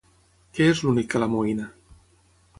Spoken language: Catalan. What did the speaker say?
Què és l'únic que l'amoïna?